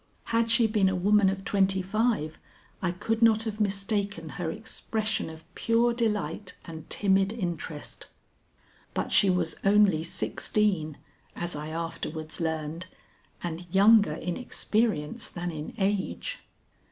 Had she been a woman of twenty five I could not have mistaken her expression of pure delight and timid interest, but she was only sixteen, as I afterwards learned, and younger in experience than in age.